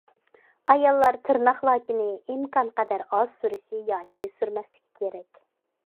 ئاياللار تىرناق لاكىنى ئىمكانقەدەر ئاز سۈرۈشى ياكى سۈرمەسلىكى كېرەك.